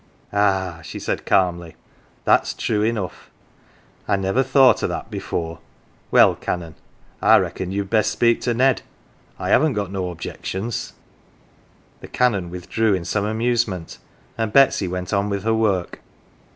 "Ah," she said calmly, "that's true enough. I never thought o' that before. Well, Canon, I reckon you'd best speak to Ned. I haven't got no objections." The Canon withdrew, in some amusement, and Betsy went on with her work.